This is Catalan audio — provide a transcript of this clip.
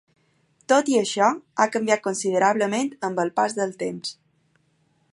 Tot i això, ha canviat considerablement amb el pas del temps.